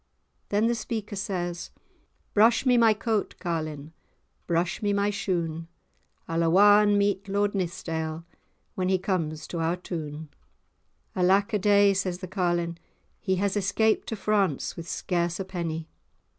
Then the speaker says:— "Brush me my coat, carlin', Brush me my shoon; I'll awa and meet Lord Nithsdale, When he comes to our town." "Alack a day," says the carlin'. "He has escaped to France, with scarce a penny."